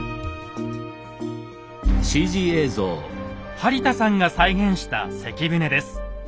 播田さんが再現した関船です。